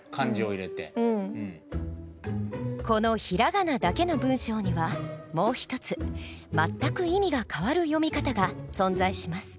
この平仮名だけの文章にはもう一つ全く意味が変わる読み方が存在します。